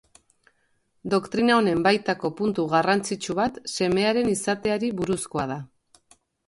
Doktrina honen baitako puntu garrantzitsu bat Semearen izateari buruzkoa da.